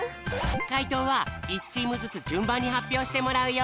かいとうは１チームずつじゅんばんにはっぴょうしてもらうよ。